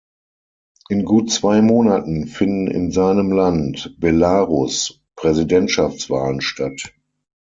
In gut zwei Monaten finden in seinem Land, Belarus, Präsidentschaftswahlen statt.